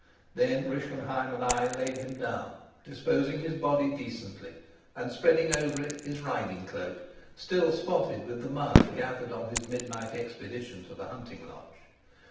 Then Rischenheim and I laid him down, disposing his body decently and spreading over it his riding cloak, still spotted with the mud gathered on his midnight expedition to the hunting lodge.